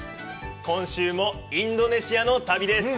今週もインドネシアの旅です。